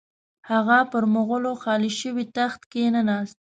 هغه پر مغولو خالي شوي تخت کښې نه ناست.